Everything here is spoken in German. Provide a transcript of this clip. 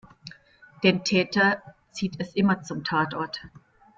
Den Täter zieht es immer zum Tatort.